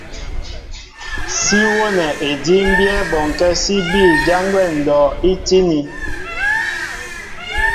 Sí wónɛ edímbyɛ́ bɔŋkɛ́ sí bîy jǎn gwɛ́ ndɔ' í tíní.